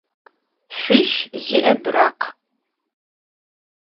Şüiş zi'e bırakh.